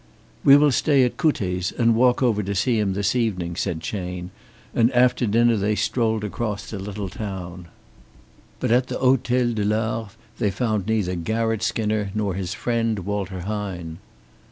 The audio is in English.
"We will stay at Couttet's and walk over to see him this evening," said Chayne, and after dinner they strolled across the little town. But at the Hôtel de l'Arve they found neither Garratt Skinner nor his friend, Walter Hine.